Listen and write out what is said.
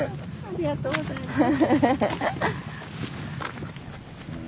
ありがとうございます。